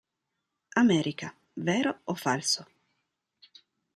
America: vero o falso?